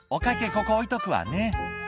ここ置いとくわね」